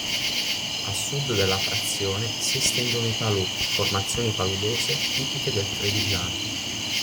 A sud della frazione si estendono i palù, formazioni paludose tipiche del Trevigiano.